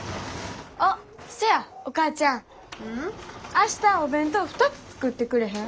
明日お弁当２つ作ってくれへん？